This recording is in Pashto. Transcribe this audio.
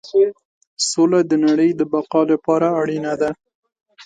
سوله د نړۍ د بقا لپاره اړینه ده.